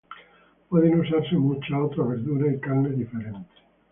Pueden usarse muchos otras verduras y carnes diferentes.